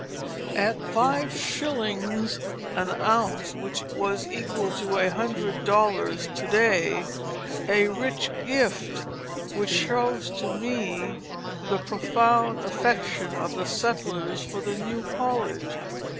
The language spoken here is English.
at five shillings an ounce, which was equal to a hundred dollars to day; a rich gift, which shows to me the profound affection of the settlers for the new college.